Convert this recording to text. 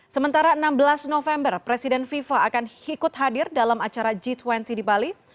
sementara enam belas november presiden fifa akan ikut hadir dalam acara g dua puluh di bali